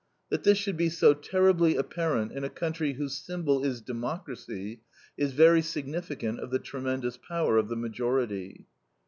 That this should be so terribly apparent in a country whose symbol is democracy, is very significant of the tremendous power of the majority.